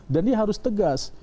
dan dia harus tegas